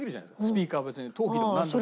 スピーカーは別に陶器でもなんでも。